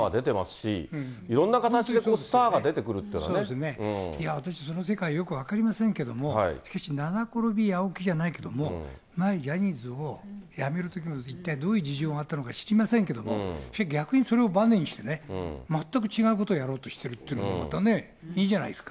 五郎さんもレギュラー出ていらっしゃいますが、スッキリなんかからもね、スターは出てますし、いろんな形でスターが出てくるっ私、その世界よく分かりませんけれども、しかし七転び八起きじゃないけれども、前、ジャニーズを辞めるときにも、一体どういう事情があったのか知りませんけれども、逆にそれをばねにしてね、全く違うことをやろうとしているのって、またね、いいじゃないですか。